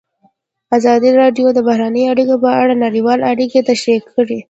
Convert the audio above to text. ازادي راډیو د بهرنۍ اړیکې په اړه نړیوالې اړیکې تشریح کړي.